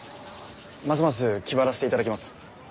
ますます気張らせていただきます。